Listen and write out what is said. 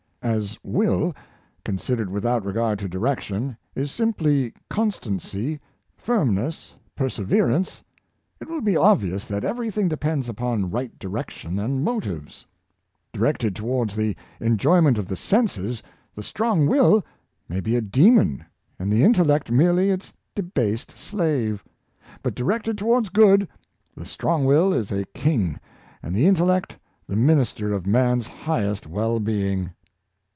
As will, considered with out regard to direction, is simply constancy, firmness, perseverance, it will be obvious that everything de pends upon right direction and motives. Directed to wards the enjoyment of the senses, the strong will may be a demon, and the intellect merely its debased slave; but directed towards good, the strong will is a king, and the intellect the minister of man's highest well being.